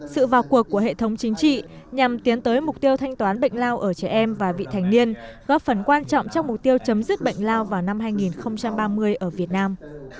sự vào cuộc của hệ thống chính trị nhằm tiến tới mục tiêu thanh toán bệnh lao ở trẻ em và vị thành niên góp phần quan trọng trong mục tiêu chấm dứt bệnh lao vào năm hai nghìn ba mươi ở việt nam